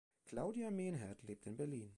Claudia Mehnert lebt in Berlin.